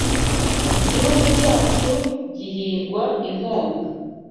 igihugu cyacu gihingwa inkota